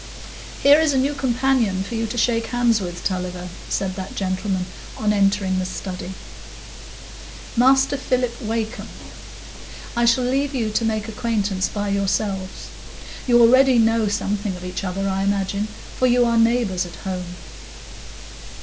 "Here is a new companion for you to shake hands with, Tulliver," said that gentleman on entering the study,—"Master Philip Wakem. I shall leave you to make acquaintance by yourselves. You already know something of each other, I imagine; for you are neighbours at home."